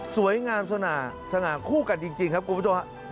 สวยงามสนาขู้กันจริงครับคุณผู้ชมครับ